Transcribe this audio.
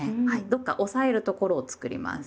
どっか押さえるところを作ります。